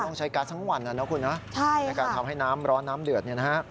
ต้องใช้แก๊สทั้งหวันนะคุณในการทำให้ร้อนน้ำเดือด